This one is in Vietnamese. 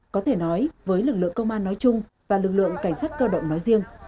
có thể nói với lực lượng công an nói chung và lực lượng cảnh sát cơ động nói riêng